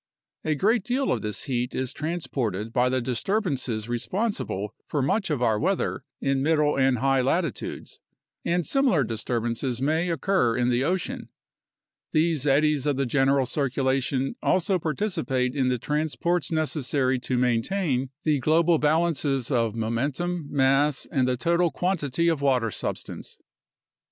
A great deal of this heat is transported by the disturbances re sponsible for much of our weather in middle and high latitudes, and similar disturbances may occur in the ocean. These eddies of the general circulation also participate in the transports necessary to maintain the PHYSICAL BASIS OF CLIMATE AND CLIMATIC CHANGE 17 global balances of momentum, mass, and the total quantity of water substance.